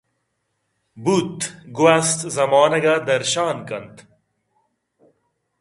بوت گْوست زمانگ ءَ درشان کنْت۔